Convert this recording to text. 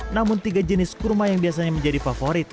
namun tiga jenis kurma yang biasanya menjadi favorit